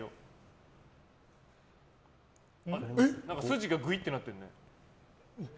筋がグイってなってるね。